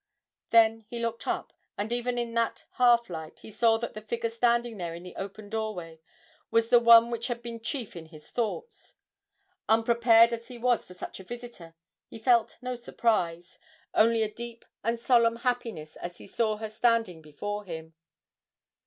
Then he looked up, and even in that half light he saw that the figure standing there in the open doorway was the one which had been chief in his thoughts. Unprepared as he was for such a visitor, he felt no surprise only a deep and solemn happiness as he saw her standing before him.